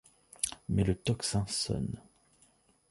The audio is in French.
Mais le tocsin sonne.